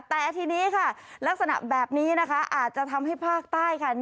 แต่ทีนี้ค่ะลักษณะแบบนี้นะคะอาจจะทำให้ภาคใต้ค่ะ